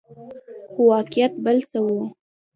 خو واقعیت بل څه وو.